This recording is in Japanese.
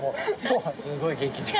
すごい元気。